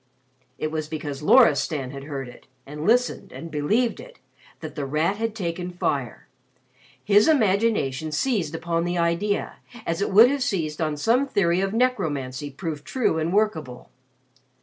It was because Loristan had heard it, and listened and believed, that The Rat had taken fire. His imagination seized upon the idea, as it would have seized on some theory of necromancy proved true and workable.